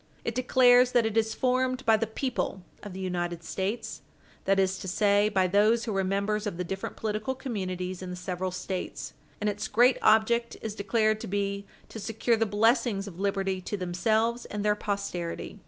It declares Page 60 U. S. 411 that it is formed by the people of the United States that is to say, by those who were members of the different political communities in the several States and its great object is declared to be to secure the blessings of liberty to themselves and their posterity.